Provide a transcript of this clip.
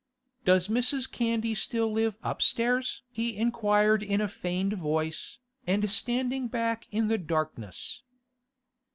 'Does Mrs. Candy still live upstairs?' he inquired in a feigned voice, and standing back in the darkness.